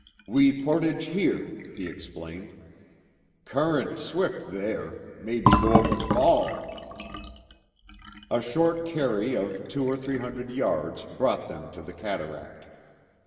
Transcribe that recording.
"We portage here," he explained. "Current swift there mebby go over fall!" A short carry of two or three hundred yards brought them to the cataract.